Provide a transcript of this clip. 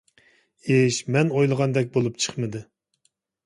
ئىش مەن ئويلىغاندەك بولۇپ چىقمىدى.